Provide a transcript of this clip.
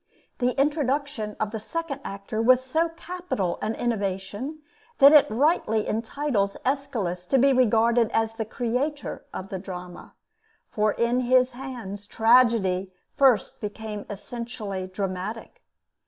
The introduction of the second actor was so capital an innovation that it rightly entitles Aeschylus to be regarded as the creator of the drama, for in his hands tragedy first became essentially dramatic.